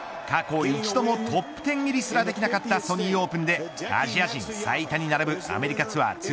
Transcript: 過去１度もトップ１０入りすらできなかったソニーオープンでアジア人最多に並ぶアメリカツアー